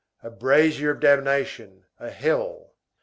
A brazier of damnation, a hell.